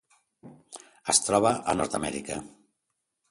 Es troba a Nord-amèrica.